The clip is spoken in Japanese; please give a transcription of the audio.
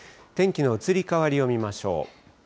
天気の移り変わりを見ましょう。